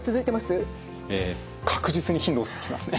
え確実に頻度落ちてきますね。